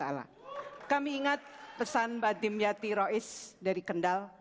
kami ingat pesan mbak dimyati rais dari kendal